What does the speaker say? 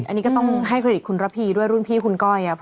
อันนี้ก็ต้องให้เครดิตคุณระพีด้วยรุ่นพี่คุณก้อย